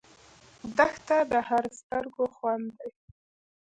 دښته د هر سترګو خوند دی.